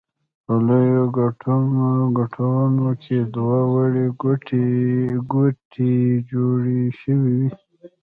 په لویو ګټونو کې دوه وړې کوټې جوړې شوې وې.